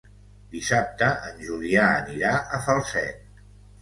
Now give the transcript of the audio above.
Dissabte en Julià anirà a Falset.